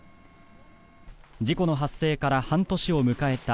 事故の発生から半年を迎えた